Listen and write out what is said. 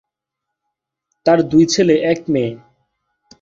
তার দুই ছেলে এক মেয়ে।